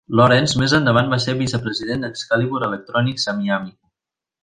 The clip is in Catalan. Lawrence més endavant va ser vicepresident d'Excalibur Electronics a Miami.